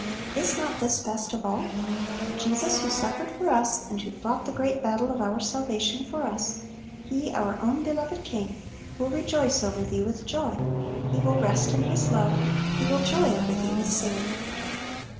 Is not this best of all? Jesus, who suffered for us, and who fought the great battle of our salvation for us, He, our own beloved King, "will rejoice over thee with joy; He will rest in His love; He will joy over thee with singing."